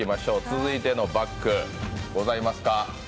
続いてのバッグ、ございますか。